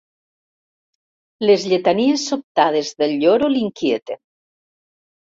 Les lletanies sobtades del lloro l'inquieten.